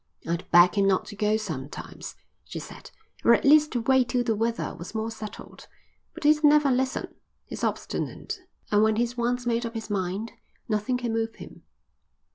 "I'd beg him not to go sometimes," she said, "or at least to wait till the weather was more settled, but he'd never listen. He's obstinate, and when he's once made up his mind, nothing can move him."